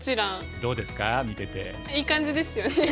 いい感じですよね。